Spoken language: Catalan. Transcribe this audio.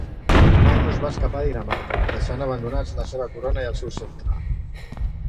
Magnus va escapar a Dinamarca, deixant abandonats la seva corona i el seu ceptre.